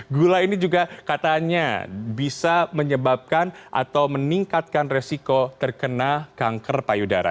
gula ini juga katanya bisa menyebabkan atau meningkatkan resiko terkena kanker payudara